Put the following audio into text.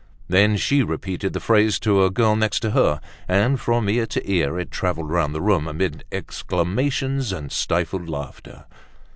Then she repeated the phrase to a girl next to her, and from ear to ear it traveled round the room amid exclamations and stifled laughter.